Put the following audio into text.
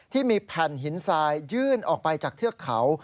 ที่มีแผ่นหินทรายยื่นออกไปจากเทือกเขา